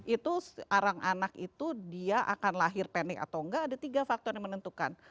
itu arang anak itu dia akan lahir pendek atau enggak ada tiga faktor yang menentukan